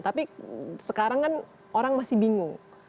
tapi sekarang kan orang masih bingung